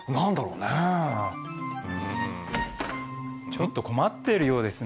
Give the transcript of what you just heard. ちょっと困ってるようですね。